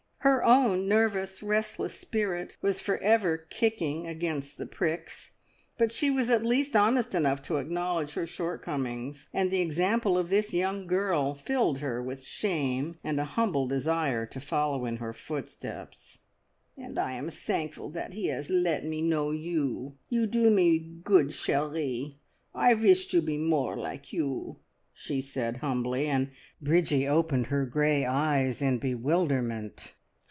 Her own nervous, restless spirit was for ever kicking against the pricks, but she was at least honest enough to acknowledge her shortcomings, and the example of this young girl filled her with shame and a humble desire to follow in her footsteps. "And I am thankful that He has let me know you. You do me good, cherie. I wish to be more like you," she said humbly; and Bridgie opened her great eyes in bewilderment.